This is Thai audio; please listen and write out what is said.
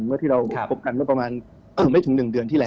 เมื่อที่เราคบกันเมื่อประมาณไม่ถึง๑เดือนที่แล้ว